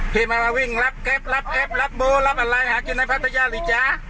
พี่มาวิ่งรับแก๊ปรับแก๊ปรับโบรับอะไรหากินในพัทยาหรือจ๊ะ